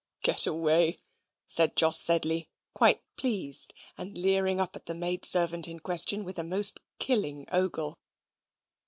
"Get away," said Jos Sedley, quite pleased, and leering up at the maid servant in question with a most killing ogle.